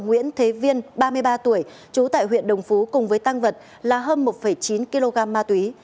nguyễn thế viên ba mươi ba tuổi trú tại huyện đồng phú cùng với tăng vật là hơn một chín kg ma túy